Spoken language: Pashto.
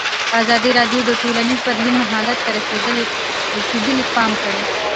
ازادي راډیو د ټولنیز بدلون حالت ته رسېدلي پام کړی.